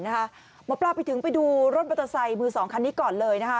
หมอปลาไปดูรถมอเตอร์ไซค์มือ๒คันนี้ก่อนเลย